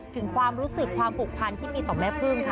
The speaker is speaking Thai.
ถึงความรู้สึกความผูกพันที่มีต่อแม่พึ่งค่ะ